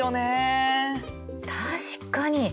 確かに。